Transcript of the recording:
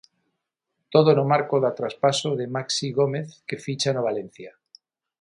Todo no marco da traspaso de Maxi Gómez, que ficha no Valencia.